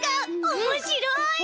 おもしろい！